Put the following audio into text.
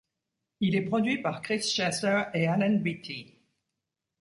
Il est produit par Chris Chesser et Alan Beattie.